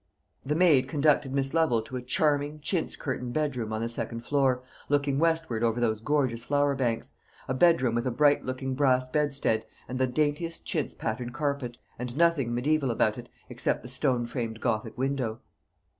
The maid conducted Miss Lovel to a charming chintz curtained bedroom on the second floor, looking westward over those gorgeous flower banks; a bedroom with a bright looking brass bedstead, and the daintiest chintz patterned carpet, and nothing medieval about it except the stone framed gothic window.